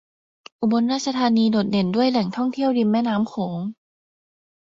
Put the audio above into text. อุบลราชธานีโดดเด่นด้วยแหล่งท่องเที่ยวริมแม่น้ำโขง